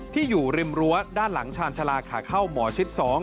อยู่ริมรั้วด้านหลังชาญชาลาขาเข้าหมอชิด๒